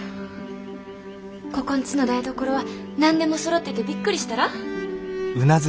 ここんちの台所は何でもそろっててびっくりしたら？